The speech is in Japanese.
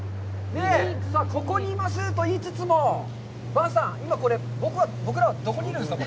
ここにいますと言いつつも、伴さん、今これ、僕らはどこにいるんですか。